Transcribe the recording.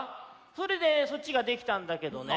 それでそっちができたんだけどね。